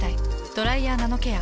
「ドライヤーナノケア」。